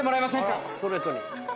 あらストレートに。